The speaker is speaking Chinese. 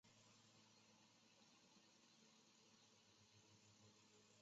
当颞动脉扩大时可能会造成偏头痛。